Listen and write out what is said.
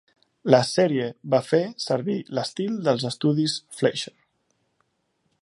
La sèrie va fer servir l'estil dels estudis Fleischer.